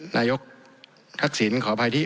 นายกทักษิณขออภัยที่